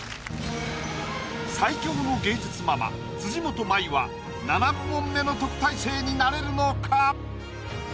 最強の芸術ママ辻元舞は７部門目の特待生になれるのか？